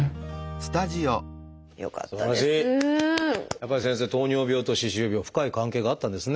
やっぱり先生糖尿病と歯周病深い関係があったんですね。